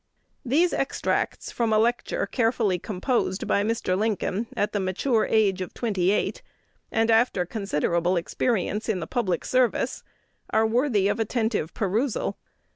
These extracts from a lecture carefully composed by Mr. Lincoln at the mature age of twenty eight, and after considerable experience in the public service, are worthy of attentive perusal.